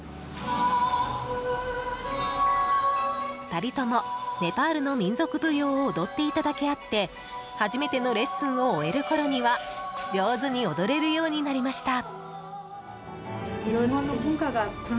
２人ともネパールの民族舞踊を踊っていただけあって初めてのレッスンを終えるころには上手に踊れるようになりました。